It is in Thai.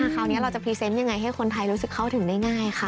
คราวนี้เราจะพรีเซนต์ยังไงให้คนไทยรู้สึกเข้าถึงได้ง่ายค่ะ